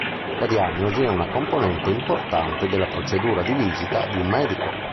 La diagnosi è una componente importante della procedura di visita di un medico.